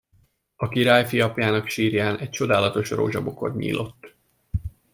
A királyfi apjának sírján egy csodálatos rózsabokor nyílott.